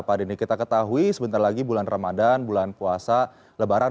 pak denny kita ketahui sebentar lagi bulan ramadan bulan puasa lebaran